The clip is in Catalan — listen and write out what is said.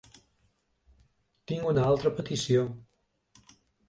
Tinc una altra petició.